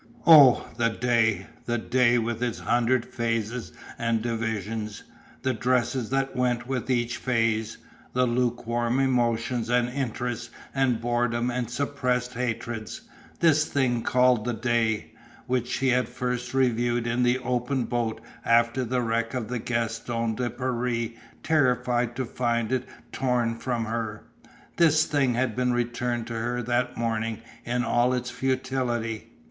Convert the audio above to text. Oh, the day, the day with its hundred phases and divisions, the dresses that went with each phase, the lukewarm emotions and interests and boredom and suppressed hatreds, this thing called the day, which she had first reviewed in the open boat after the wreck of the Gaston de Paris terrified to find it torn from her this thing had been returned to her that morning in all its futility.